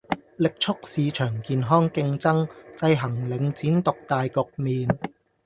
力促市場健康競爭，制衡領展獨大局面